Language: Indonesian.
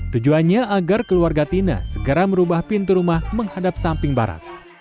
tujuannya agar keluarga tina segera merubah pintu rumah menghadap samping barat